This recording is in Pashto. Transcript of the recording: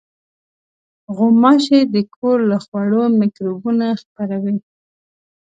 غوماشې د کور له خوړو مکروبونه خپروي.